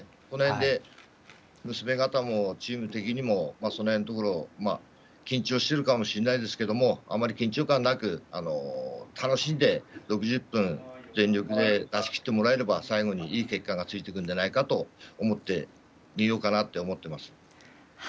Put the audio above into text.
この辺で、娘方もチーム的にもその辺のところ緊張してるかもしれないですけどあまり緊張感なく楽しんで６０分全力を出しきってもらえれば最後に、いい結果がついてくるんじゃないかと思って、見ようかなと思ってます。